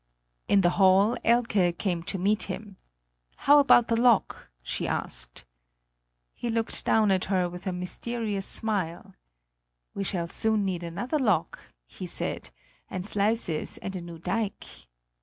In the hall Elke came to meet him: "How about the lock?" she asked. He looked down at her with a mysterious smile: "We shall soon need another lock," he said; "and sluices and a new dike."